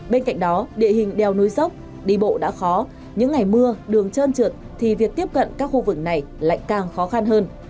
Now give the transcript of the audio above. bên cạnh đó địa hình đèo núi dốc đi bộ đã khó những ngày mưa đường trơn trượt thì việc tiếp cận các khu vực này lại càng khó khăn hơn